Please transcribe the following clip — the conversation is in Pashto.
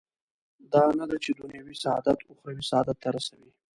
دا نه ده چې دنیوي سعادت اخروي سعادت ته رسوي.